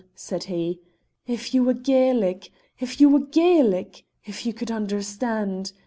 said he, "if you were Gaelic, if you were Gaelic, if you could understand!